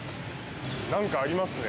何かありますね。